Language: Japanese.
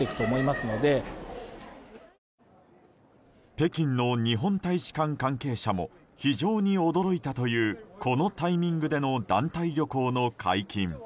北京の日本大使館関係者も非常に驚いたというこのタイミングでの団体旅行の解禁。